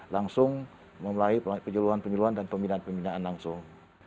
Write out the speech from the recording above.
langsung memulai penyeluhan penyuluhan dan pembinaan pembinaan langsung